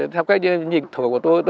theo cách nhìn thổi của tôi